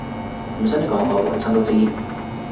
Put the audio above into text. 唔使你講我本身都知